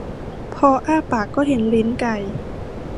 พออ้าปากก็เห็นลิ้นไก่